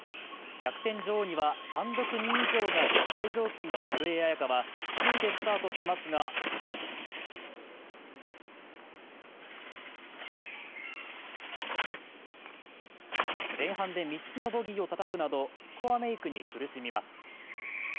逆転女王には、単独２位以上が絶対条件の古江彩佳は首位でスタートしますが前半で３つのボギーをたたくなどスコアメイクに苦しみます。